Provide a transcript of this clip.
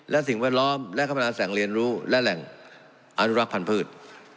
และสิ่งแวดล้อมและคมนาแสงเรียนรู้และแหล่งอนุรักษ์พันธุ์